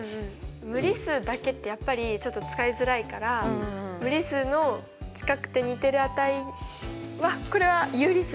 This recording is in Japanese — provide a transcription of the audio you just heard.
無理数だけってやっぱりちょっと使いづらいから無理数の近くて似てる値はこれは有理数なんですよ。